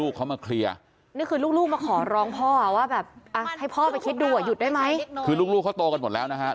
ลูกเขามาเคลียร์นึกคือลูกมาขอร้องพ่อว่าแบบให้พ่อไปคิดดูอ่ะหยุดได้ไหมลูกก็โตกันหมดแล้วนะฮะ